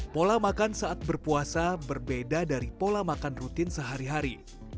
pola makan saat berpuasa berbeda dari pola makan rutin sehari hari